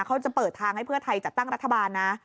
เขาจะเปิดทางให้เพื่อไทยจัดตั้งรัฐบาลนะ